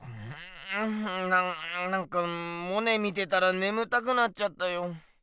なんかモネ見てたらねむたくなっちゃったよ。